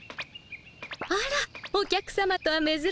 あらお客さまとはめずらしい。